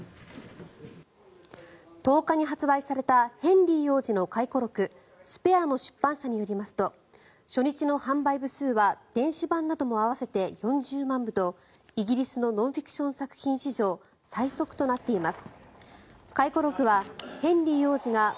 １０日に発売されたヘンリー王子の回顧録「ＳＰＡＲＥ」の出版社によりますと初日の販売部数は電子版なども合わせて４０万部とイギリスのノンフィクション作品史上最速となっています。